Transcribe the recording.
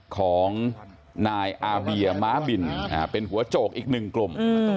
ของนายอาเบียม้าบินเป็นหัวโจกอีกหนึ่งกลุ่ม